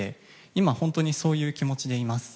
今、本当にそういう気持ちでいます。